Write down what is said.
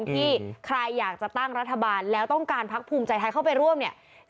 ที่ใครอยากจะตั้งรัฐบาลแล้วต้องการพักภูมิใจไทยเข้าไปร่วมเนี่ย